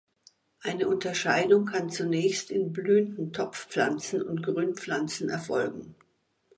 Eine Unterscheidung kann zunächst in blühende Topfpflanzen und Grünpflanzen erfolgen.